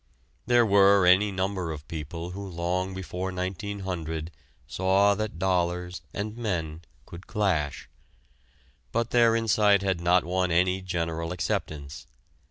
There were any number of people who long before 1900 saw that dollars and men could clash. But their insight had not won any general acceptance.